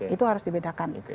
itu harus dibedakan